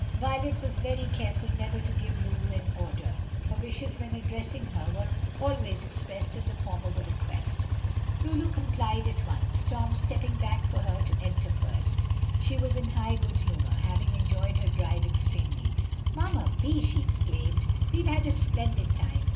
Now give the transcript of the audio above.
Violet was very careful never to give Lulu an order; her wishes when addressing her were always expressed in the form of a request. Lulu complied at once, Tom stepping back for her to enter first. She was in high good humor, having enjoyed her drive extremely. "Mamma Vi," she exclaimed, "we've had a splendid time!